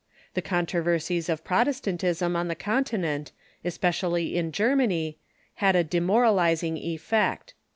The controversies of Protes tantism on the Continent, especially in Germany, had a demor alizing effect.